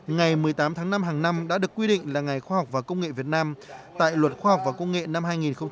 ngày một mươi tám tháng năm hàng năm đã được quy định là ngày khoa học và công nghệ việt nam tại luật khoa học và công nghệ năm hai nghìn một mươi ba